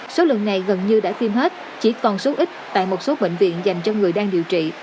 số lượng này gần như đã phim hết chỉ còn số ít tại một số bệnh viện dành cho người đang điều trị